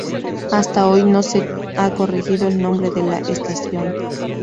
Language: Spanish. Hasta hoy no se ha corregido el nombre de la estación.